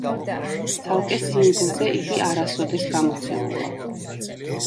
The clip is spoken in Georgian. ცალკე სინგლზე იგი არასოდეს გამოცემულა.